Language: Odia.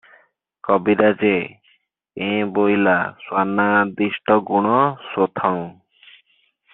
" କବିରାଜେ, "ଏଁ ବୋଇଲା, ସ୍ୱର୍ଣ୍ଣାଦିଷ୍ଟଗୁଣଂ ଶୋଥଂ ।